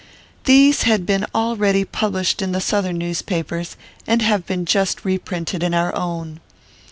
These had been already published in the Southern newspapers, and have been just reprinted in our own.